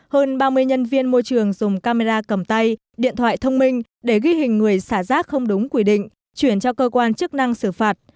hơn ba mươi nhân viên môi trường dùng camera cầm tay điện thoại thông minh để ghi hình người xả rác không đúng quy định chuyển cho cơ quan chức năng xử phạt